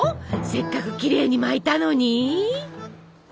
せっかくきれいに巻いたのに？